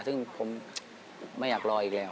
ซึ่งผมไม่อยากรออีกแล้ว